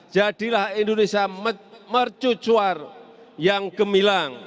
jadilah indonesia mercucuar yang gemilang